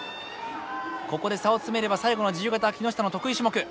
ここで差を詰めれば最後の自由形は木下の得意種目。